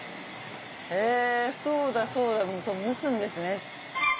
えそうだそうだ蒸すんですね。